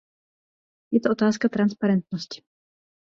Je to otázka transparentnosti.